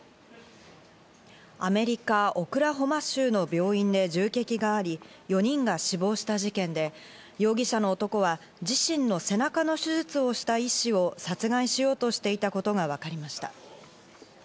アメリカ・オクラホマ州の病院で銃撃があり、４人が死亡した事件で、容疑者の男は自身の背中の手術をした医師を殺害しようとしていたことがわかりました。